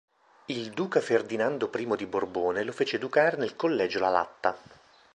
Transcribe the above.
Il duca Ferdinando I di Borbone lo fece educare nel Collegio Lalatta.